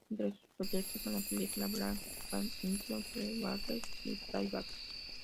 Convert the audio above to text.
Entre sus proyectos están las películas "Black Swan", "Into the Darkness" y "Playback".